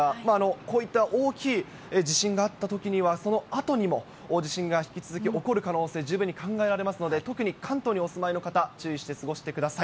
こういった大きい地震があったときには、そのあとにも地震が引き続き起こる可能性、十分に考えられますので、特に関東にお住まいの方、注意して過ごしてください。